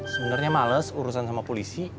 sebenarnya males urusan sama polisi